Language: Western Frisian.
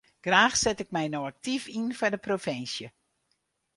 Graach set ik my no aktyf yn foar de provinsje.